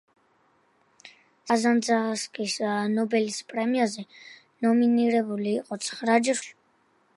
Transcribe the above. საერთო ჯამში, კაზანძაკისი ნობელის პრემიაზე ნომინირებული იყო ცხრაჯერ, სხვადასხვა წლის განმავლობაში.